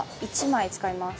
１枚使えます。